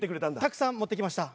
たくさん持ってきました。